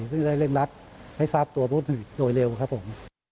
ซึ่งได้เร่งรัดให้ทราบตัวผู้ถือโดยเร็วครับผม